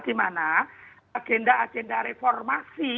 di mana agenda agenda reformasi